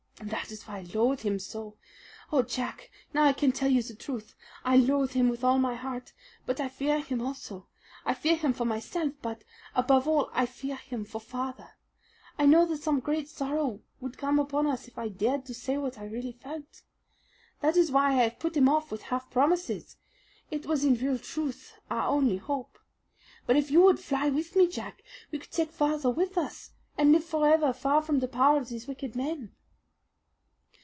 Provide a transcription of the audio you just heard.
"And that is why I loathe him so. Oh, Jack, now I can tell you the truth. I loathe him with all my heart; but I fear him also. I fear him for myself; but above all I fear him for father. I know that some great sorrow would come upon us if I dared to say what I really felt. That is why I have put him off with half promises. It was in real truth our only hope. But if you would fly with me, Jack, we could take father with us and live forever far from the power of these wicked men."